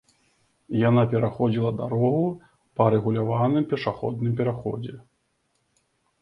Яна пераходзіла дарогу па рэгуляваным пешаходным пераходзе.